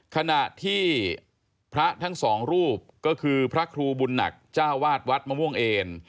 ขณะที่พระทั้งสองรูปก็คือพระครูบุญหนักจ้าวาดวัดมะม่วงเอน